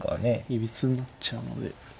いびつになっちゃうので。